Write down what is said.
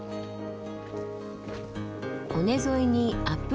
尾根沿いにアップ